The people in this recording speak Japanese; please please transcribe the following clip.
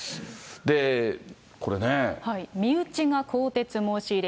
身内が更迭申し入れ。